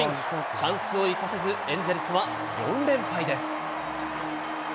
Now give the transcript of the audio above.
チャンスを生かせず、エンゼルスは４連敗です。